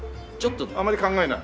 あまり考えない？